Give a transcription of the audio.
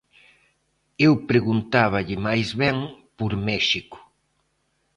Eu preguntáballe máis ben por México.